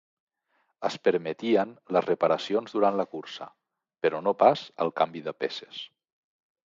Es permetien les reparacions durant la cursa, però no pas el canvi de peces.